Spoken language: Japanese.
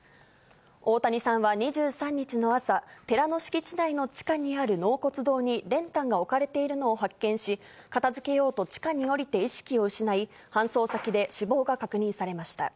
大谷さんは２３日の朝、寺の敷地内の地下にある納骨堂に練炭が置かれているのを発見し、片づけようと地下に下りて意識を失い、搬送先で死亡が確認されました。